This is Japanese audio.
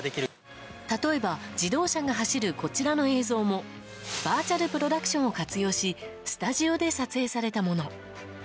例えば自動車が走るこちらの映像もバーチャルプロダクションを活用しスタジオで撮影されたもの。